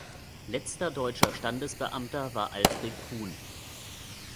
Letzter deutscher Standesbeamter war Alfred Kuhn.